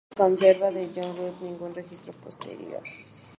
No se conserva de John Rut ningún registro posterior.